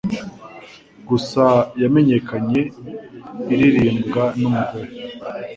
Gusa yamenyekanye iririmbwa n'umugore